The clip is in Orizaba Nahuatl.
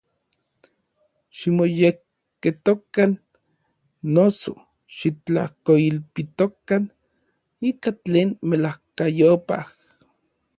Ximoyekketokan, noso, xitlajkoilpitokan ika tlen melajkayopaj.